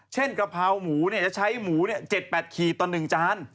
เช่นกระเพ้าหมูจะใช้หมู๗๘ขีดตัวนึงจาน